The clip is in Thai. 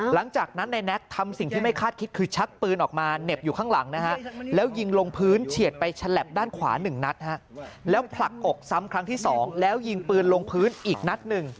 หลังจากนั้นนายแน็กทำสิ่งที่ไม่คาดคิดคือชักปืนออกมาเหน็บอยู่ข้างหลังนะฮะแล้วยิงลงพื้นเฉียดไปฉลับด้านขวา๑นัดแล้วผลักอกซ้ำครั้งที่๒แล้วยิงปืนลงพื้นอีกนัดหนึ่ง